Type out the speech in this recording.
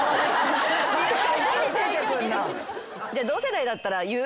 じゃあ同世代だったら言う？